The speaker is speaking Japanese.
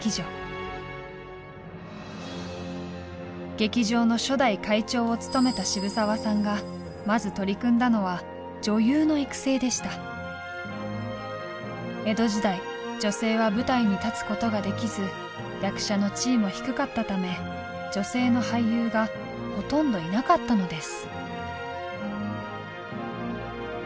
劇場の初代会長を務めた渋沢さんがまず取り組んだのは江戸時代女性は舞台に立つことができず役者の地位も低かったため女性の俳優がほとんどいなかったのです。